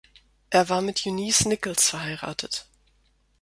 Er war mit Eunice Nichols verheiratet.